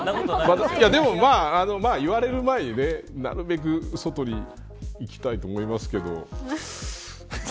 でも、言われる前になるべく外に行きたいと思いますけど。